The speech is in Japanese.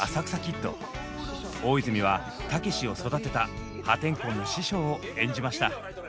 大泉はたけしを育てた破天荒な師匠を演じました。